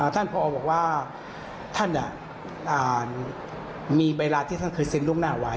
ท่านผอบอกว่าท่านอ่ะมีเวลาที่ท่านคือเซ็นลูกหน้าไหว